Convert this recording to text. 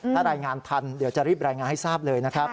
ถ้ารายงานทันเดี๋ยวจะรีบรายงานให้ทราบเลยนะครับ